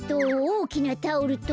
おおきなタオルと。